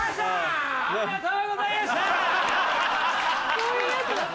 そういうやつなんだ。